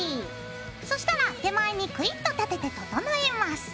そしたら手前にクイッと立てて整えます。